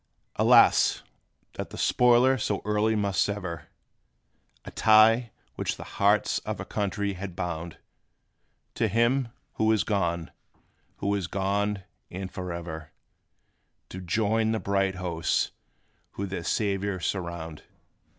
Alas! that the spoiler so early must sever A tie, which the hearts of a country had bound To him, who is gone who is gone, and forever, To join the bright hosts who their Saviour surround!